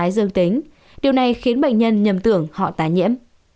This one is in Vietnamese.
điều này khiến bệnh nhân nhầm tưởng họ tái nhiễm